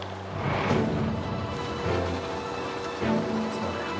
そうだよね。